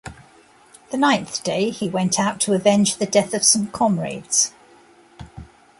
The ninth day, he went out to avenge the death of some comrades.